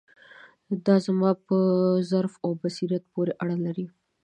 دا زما په ظرف او بصیرت پورې اړه لري.